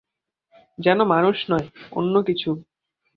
যেন মানুষ নয়, অন্য কিছু।